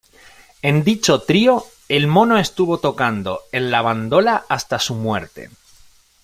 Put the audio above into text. En dicho trío, el Mono estuvo tocando en la bandola hasta su muerte.